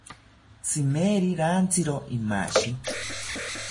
Tzimeri rantizro imashi